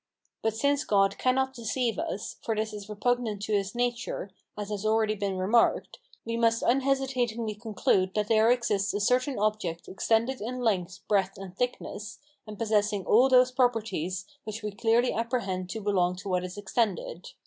But since God cannot deceive us, for this is repugnant to his nature, as has been already remarked, we must unhesitatingly conclude that there exists a certain object extended in length, breadth, and thickness, and possessing all those properties which we clearly apprehend to belong to what is extended.